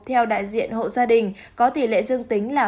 theo đại diện hộ gia đình có tỷ lệ dương tính là